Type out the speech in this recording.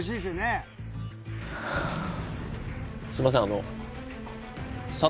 すいません